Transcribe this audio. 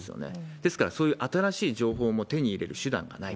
ですから、そういう新しい情報も手に入れる手段がない。